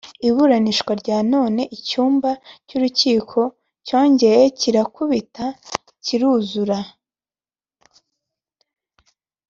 Iburanisha rya none icyumba cy’urukiko cyongeye kirakubita kiruzura